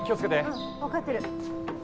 うんわかってる。